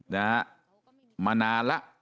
นะฮะมานานละ